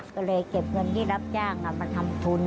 ก็เลยเก็บเงินที่รับจ้างมาทำทุน